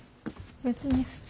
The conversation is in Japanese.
別に普通。